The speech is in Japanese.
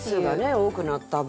多くなった分。